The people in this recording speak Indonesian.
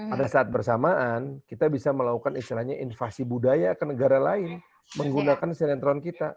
pada saat bersamaan kita bisa melakukan istilahnya invasi budaya ke negara lain menggunakan sinetron kita